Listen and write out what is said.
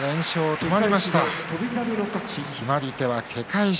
決まり手は、け返し。